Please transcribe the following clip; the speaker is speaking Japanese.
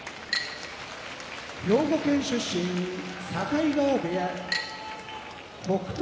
兵庫県出身境川部屋北勝